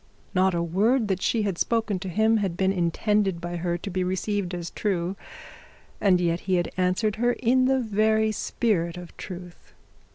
Not a word that she had spoken to him had been intended by her to be received as true, and yet he had answered her in the very spirit of truth.